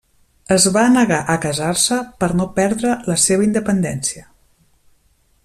Es va negar a casar-se per no perdre la seva independència.